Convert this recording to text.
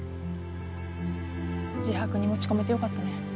自白に持ち込めてよかったね。